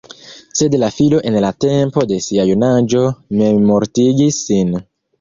Sed la filo en la tempo de sia junaĝo memmortigis sin.